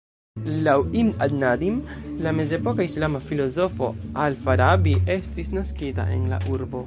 Laŭ "Ibn al-Nadim", la mezepoka islama filozofo "Al-Farabi" estis naskita en la urbo.